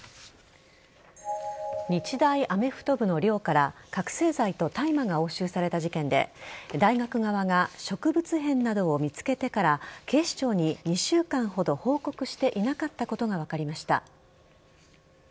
日大アメフト部の寮から覚醒剤と大麻が押収された事件で大学側が植物片などを見つけてから警視庁に２週間ほど報告していなかったことが分かりました。